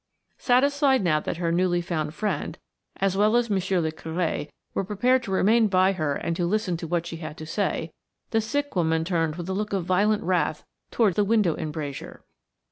Satisfied now that her newly found friend, as well as Monsieur le Curé, were prepared to remain by her and to listen to what she had to say, the sick woman turned with a look of violent wrath towards the window embrasure.